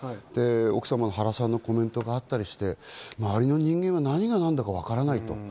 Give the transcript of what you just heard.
奥様の原さんのコメントがあったりして、まわりの人間は何が何だかわからないと。